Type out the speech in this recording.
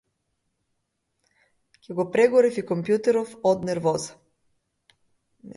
Ќе го прегорев и компјутеров од нервоза!